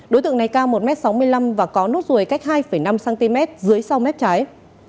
đối tượng này cao một m sáu mươi năm và có nốt ruồi cách hai năm cm dưới sau mép trái